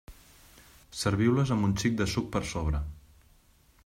Serviu-les amb un xic de suc per sobre.